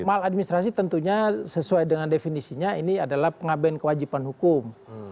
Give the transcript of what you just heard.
mal administrasi tentunya sesuai dengan definisinya ini adalah pengabin kewajiban hukum